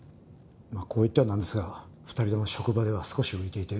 こう言ってはなんですが２人とも職場では少し浮いていて。